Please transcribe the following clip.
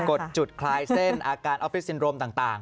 ดจุดคลายเส้นอาการออฟฟิศซินโรมต่าง